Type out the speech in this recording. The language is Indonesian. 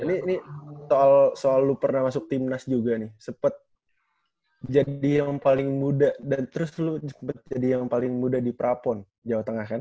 ini soal lu pernah masuk tim nas juga nih sempet jadi yang paling muda dan terus lu sempet jadi yang paling muda di prapon jawa tengah kan